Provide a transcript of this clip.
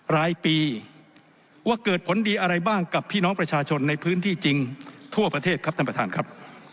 รายปีว่าเกิดผลดีอะไรบ้างกับพี่น้องประชาชนในพื้นที่จริงทั่วประเทศครับท่านประธานครับ